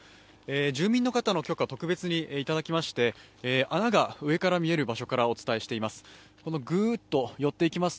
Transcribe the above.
住民の方の許可を特別にいただきまして、穴が上から見える場所からお伝えしています。